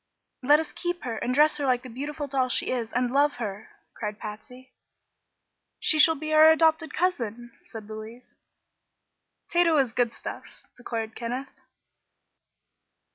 "Let us keep her, and dress her like the beautiful doll she is, and love her!" cried Patsy. "She shall be our adopted cousin," said Louise. "Tato is good stuff!" declared Kenneth.